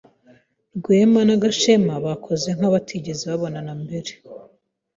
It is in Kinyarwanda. Rwema na Gashema bakoze nka batigeze babonana mbere.